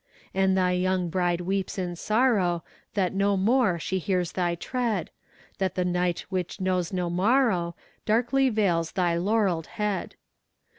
And thy young bride weeps in sorrow That no more she hears thy tread; That the night which knows no morrow Darkly veils thy laurel'd head!